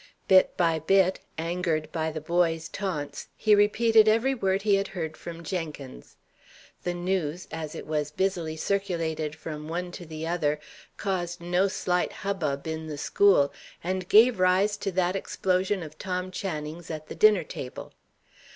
Bit by bit, angered by the boys' taunts, he repeated every word he had heard from Jenkins. The news, as it was busily circulated from one to the other, caused no slight hubbub in the school, and gave rise to that explosion of Tom Channing's at the dinner table.